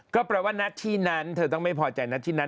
ก็แปลว่านัดที่นั้นเธอต้องไม่พอใจนัดที่นั้น